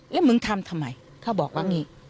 แล้วมึงทำทำไมเขาบอกว่าอย่างนี้